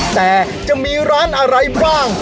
แต่จะมีร้านอะไรบ้าง